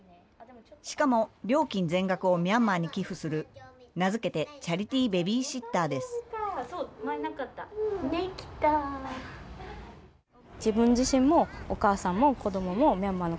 しかも料金全額をミャンマーに寄付する名付けて、チャリティーベビーシッターです。